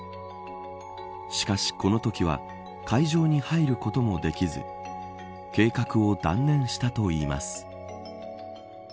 しかし、このときは会場に入ることもできず計画を断念したといいます。